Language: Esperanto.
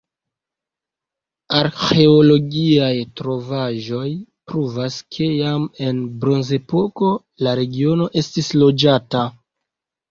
Arĥeologiaj trovaĵoj pruvas, ke jam en la bronzepoko la regiono estis loĝata.